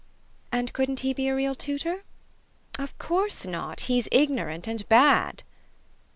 "And couldn't he be a real tutor?" "Of course not. He's ignorant and bad."